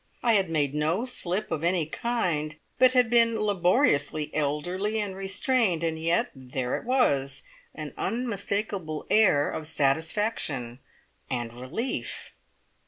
I had made no slip of any kind, but had been laboriously elderly and restrained, and yet, there it was an unmistakable air of satisfaction and relief.